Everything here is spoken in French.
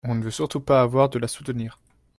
on ne veut surtout pas avoir de la soutenir.